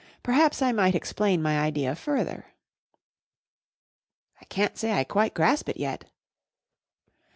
Perhaps I might explain mv idea further ?"''* I can't say I quite grasp it yet.'